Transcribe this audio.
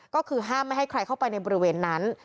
ก็คือห้ามไม่ให้ใครเข้าไปในบริเวณนั้น